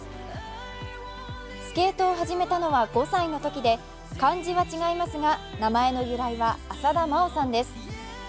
スケートを始めたのは５歳のときで漢字は違いますが、名前の由来は浅田真央さんです。